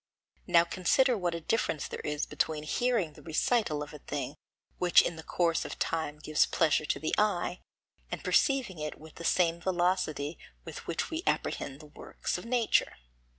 Now consider what a difference there is between hearing the recital of a thing which in the course of time gives pleasure to the eye, and perceiving it with the same velocity with which we apprehend the works of nature.